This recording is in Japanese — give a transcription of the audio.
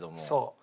そう。